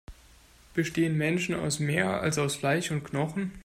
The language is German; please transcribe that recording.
Bestehen Menschen aus mehr, als aus Fleisch und Knochen?